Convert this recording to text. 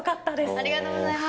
ありがとうございます。